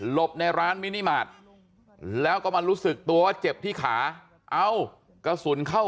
บในร้านมินิมาตรแล้วก็มารู้สึกตัวว่าเจ็บที่ขาเอ้ากระสุนเข้า